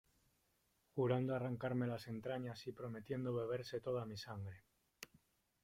jurando arrancarme las entrañas y prometiendo beberse toda mi sangre.